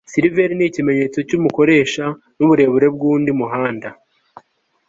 sliver yikimenyetso cyumukoresha nuburebure bwundi muhanda